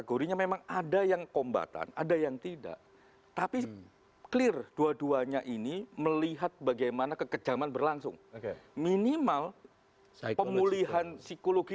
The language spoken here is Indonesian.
oh ya yang ketiga memang